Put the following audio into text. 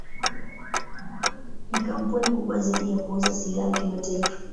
Ni kampuni kubwa zaidi ya kuuza silaha kimataifa.